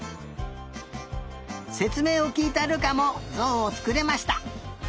せつめいをきいた瑠珂もゾウをつくれました！